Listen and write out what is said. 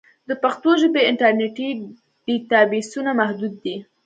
د پښتو ژبې انټرنیټي ډیټابېسونه محدود دي.